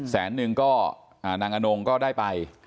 แสนหนึ่งก็อ่านางฐ์นงก็ได้ไป